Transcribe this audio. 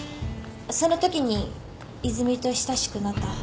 そのときに泉と親しくなった。